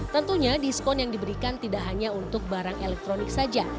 tentunya diskon yang diberikan tidak hanya untuk barang elektronik saja